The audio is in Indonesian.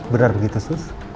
benar begitu sus